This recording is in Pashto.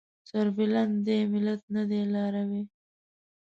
سربلند دې ملت نه دی لارويه